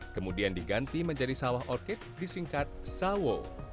kemudian diganti menjadi sawah orked disingkat sawo